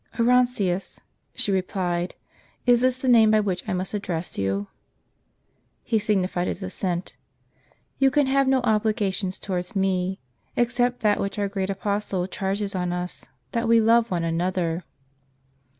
"Orontius," she replied, — "is this the name by which I must address you?" (he signified his assent) "you can have no obligations towards me, except that which our great Apostle charges on us, that we love one another."